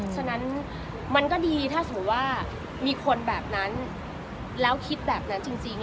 ฉะนั้นมันก็ดีถ้าสมมุติว่ามีคนแบบนั้นแล้วคิดแบบนั้นจริง